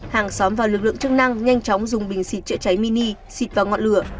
hàng xóm và lực lượng chức năng nhanh chóng dùng bình xịt chữa cháy mini xịt vào ngọn lửa